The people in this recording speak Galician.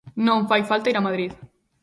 Non fai falta ir a Madrid.